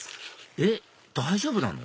えっ大丈夫なの？